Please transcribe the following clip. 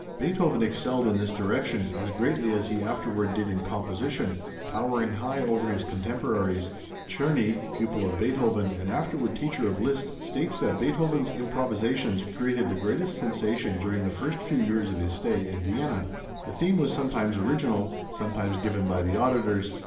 Beethoven excelled in this direction as greatly as he afterward did in composition, towering high over his contemporaries. Czerny, pupil of Beethoven and afterward teacher of Liszt, states that Beethoven's improvisations created the greatest sensation during the first few years of his stay in Vienna. The theme was sometimes original, sometimes given by the auditors.